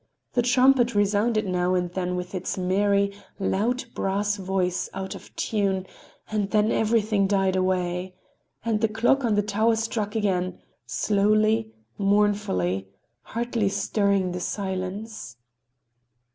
The trumpet resounded now and then with its merry, loud brass voice, out of tune,—and then everything died away. And the clock on the tower struck again, slowly, mournfully, hardly stirring the silence.